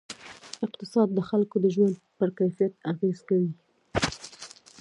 اقتصاد د خلکو د ژوند پر کیفیت اغېز کوي.